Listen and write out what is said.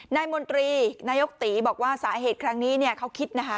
มนตรีนายกตีบอกว่าสาเหตุครั้งนี้เขาคิดนะคะ